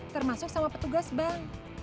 termasuk sama petugas bang